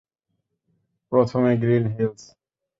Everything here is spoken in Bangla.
প্রথমে গ্রীন হিলস।